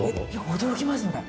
驚きますねこれ。